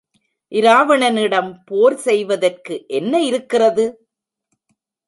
இராவணனிடம் போர் செய்வதற்கு என்ன இருக்கிறது?